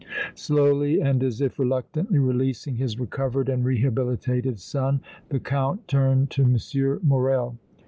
Slowly and as if reluctantly releasing his recovered and rehabilitated son, the Count turned to M. Morrel.